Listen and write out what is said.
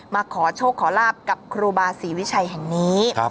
มาขอโชคขอลาบกับครูบาศรีวิชัยแห่งนี้